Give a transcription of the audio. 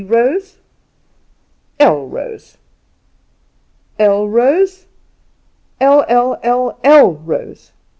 Rose, L. Rose, Rose, L.L., L.L. Rose.